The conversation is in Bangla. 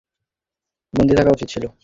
অন্যদের মতো তোর ও রুমে বন্দী থাকা উচিত ছিল।